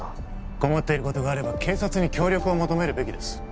困っていることがあれば警察に協力を求めるべきです